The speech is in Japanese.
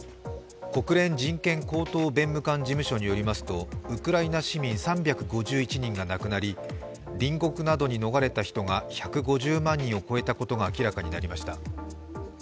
国連人権高等弁務官事務所によりますと、ウクライナ市民３５１人が亡くなり隣国などに逃れた人が１５０万人を超えたことも明らかにしました。